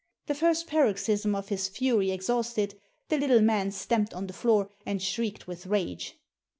The first paroxysm of his fury exhausted, the little man stamped on the floor and shrieked with rage.